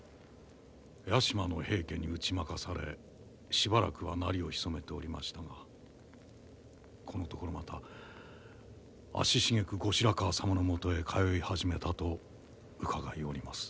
屋島の平家に打ち負かされしばらくは鳴りを潜めておりましたがこのところまた足しげく後白河様のもとへ通い始めたと伺いおります。